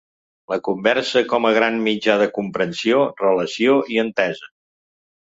La conversa com a gran mitja de comprensió, relació i entesa.